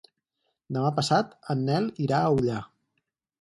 Demà passat en Nel irà a Ullà.